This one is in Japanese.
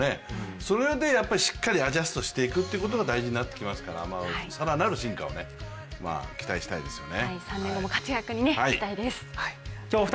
それでしっかりアジャストしていくというのが大事になっていきますから更なる進化を期待したいですよね。